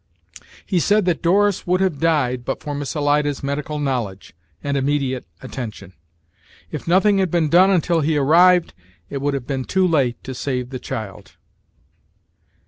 He said that Doris would have died but for Miss Alida's medical knowledge and immediate attention. If nothing had been done until he arrived, it would have been too late to save the child.